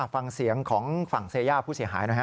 ฟังเสียงของฝั่งเซย่าผู้เสียหายหน่อยฮ